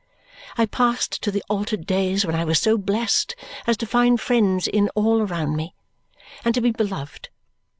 I passed to the altered days when I was so blest as to find friends in all around me, and to be beloved.